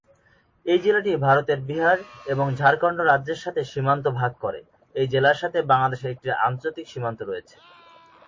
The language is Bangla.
এই জেলাটি ভারতের বিহার এবং ঝাড়খণ্ড রাজ্যের সাথেও সীমান্ত ভাগ করে, এই জেলার সাথে বাংলাদেশের একটি আন্তর্জাতিক সীমান্ত রয়েছে।